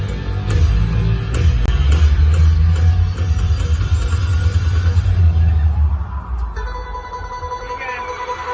เมื่อคืนยังเกินข้างหวาน